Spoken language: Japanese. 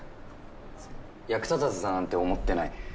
役立たずだなんて思ってない。